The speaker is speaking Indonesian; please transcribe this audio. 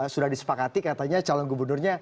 sudah disepakati katanya calon gubernurnya